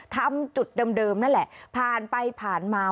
ทำจุดเดิมนั่นแหละผ่านไปผ่านมา